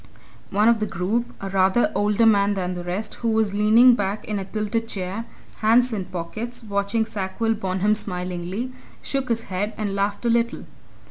One of the group, a rather older man than the rest, who was leaning back in a tilted chair, hands in pockets, watching Sackville Bonham smilingly, shook his head and laughed a little.